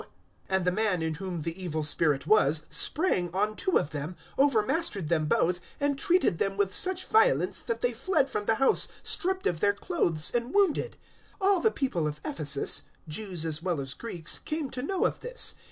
019:016 And the man in whom the evil spirit was sprang on two of them, over mastered them both, and treated them with such violence, that they fled from the house stripped of their clothes and wounded. 019:017 All the people of Ephesus, Jews as well as Greeks, came to know of this.